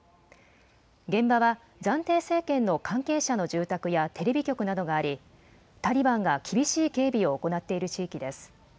現場は暫定政権の関係者の住宅やテレビ局などがありタリバンが厳しい警備を行っている地域です。